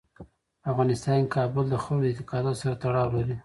په افغانستان کې کابل د خلکو د اعتقاداتو سره تړاو لري.